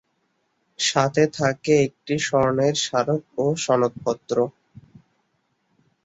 সাথে থাকে একটি স্বর্ণের স্মারক ও সনদপত্র।